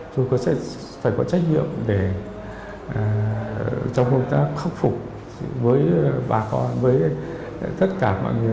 chúng tôi sẽ phải có trách nhiệm để trong công tác khắc phục với bà con với tất cả mọi người